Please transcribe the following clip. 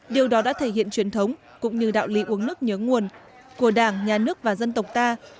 điều đó đã thể hiện truyền thống cũng như đạo lý uống nước nhớ nguồn của đảng nhà nước và dân tộc ta